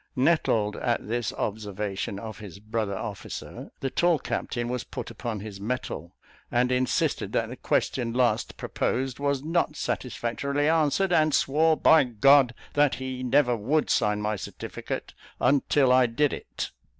Nettled at this observation of his brother officer, the tall captain was put upon his metal, and insisted that the question last proposed was not satisfactorily answered, and swore by G that he never would sign my certificate until I did it.